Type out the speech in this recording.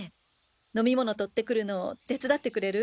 飲み物取ってくるの手伝ってくれる？